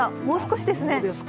もう少しですね。